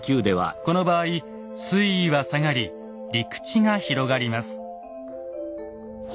この場合水位は下がり陸地が広がります。